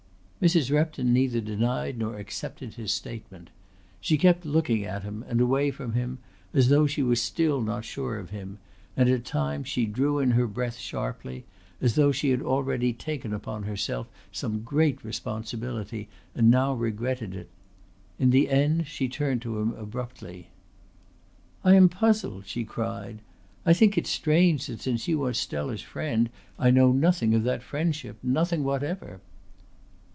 Mrs. Repton neither denied nor accepted his statement. She kept looking at him and away from him as though she were still not sure of him, and at times she drew in her breath sharply, as though she had already taken upon herself some great responsibility and now regretted it. In the end she turned to him abruptly. "I am puzzled," she cried. "I think it's strange that since you are Stella's friend I knew nothing of that friendship nothing whatever."